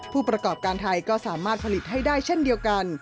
ผู้ประกอบการไทยก็สามารถผลิตให้ได้เช่นเดียวกัน